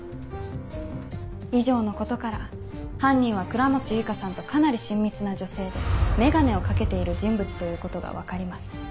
以上のことから犯人は倉持結花さんとかなり親密な女性でメガネを掛けている人物ということが分かります。